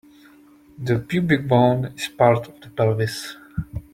The pubic bone is part of the pelvis.